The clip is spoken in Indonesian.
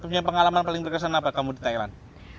punya pengalaman paling terkesan apa kamu di thailand